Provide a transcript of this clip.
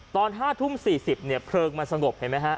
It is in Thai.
ตอนห้าทุ่มสี่สิบเนี่ยเพลิงมันสงบเห็นไหมฮะ